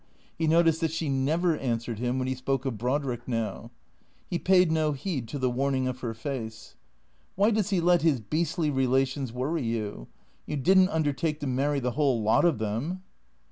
He noticed that she never answered him when he spoke of Brodrick now. He paid no heed to the warn ing of her face. "Why does he let his beastly relations worry you? You did n't undertake to marry the whole lot of them."